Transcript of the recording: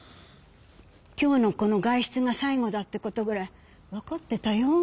今日のこの外出が最後だってことぐらいわかってたよ。